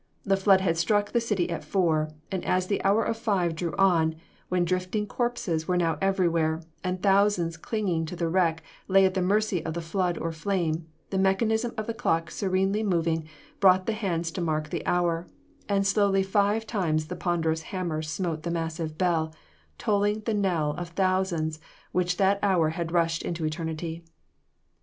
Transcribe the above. The flood had struck the city at four, and as the hour of five drew on, when drifting corpses were now everywhere, and thousands clinging to the wreck lay at the mercy of the flood or flame, the mechanism of the clock serenely moving brought the hands to mark the hour, and slowly five times the ponderous hammer smote the massive bell, tolling the knell of thousands which that hour had rushed into eternity.